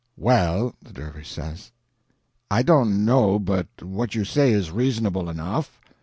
"Well," the dervish says, "I don't know but what you say is reasonable enough."